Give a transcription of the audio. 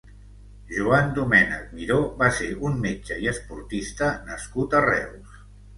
Joan Domènech Miró va ser un metge i esportista nascut a Reus.